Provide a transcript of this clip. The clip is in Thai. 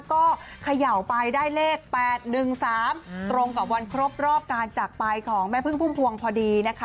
ก็เขย่าไปได้เลข๘๑๓ตรงกับวันครบรอบการจากไปของแม่พึ่งพุ่มพวงพอดีนะคะ